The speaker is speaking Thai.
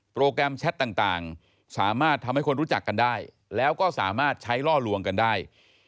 แกรมแชทต่างสามารถทำให้คนรู้จักกันได้แล้วก็สามารถใช้ล่อลวงกันได้